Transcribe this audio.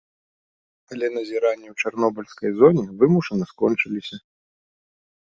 Але назіранні ў чарнобыльскай зоне вымушана скончыліся.